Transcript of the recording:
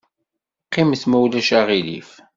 Qqimet, ma ulac aɣilif.